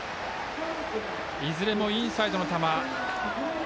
いずれもインサイドの球。